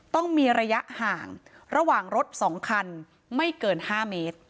ต้องมีระยะห่างระหว่างรถ๒คันไม่เกิน๕เมตร